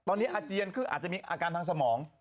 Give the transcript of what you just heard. ตอนนี้อาเจียนคืออาจจะมีอาการทางสมอง